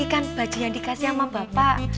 kan baju yang dikasih sama bapak